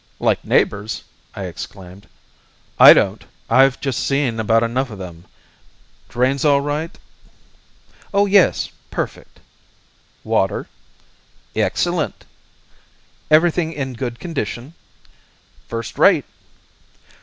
"Like neighbours!" I exclaimed. "I don't. I've just seen about enough of them. Drains all right?" "Oh, yes! Perfect." "Water?" "Excellent." "Everything in good condition?" "First rate."